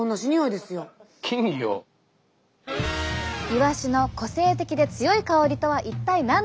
イワシの個性的で強い香りとは一体何なのか。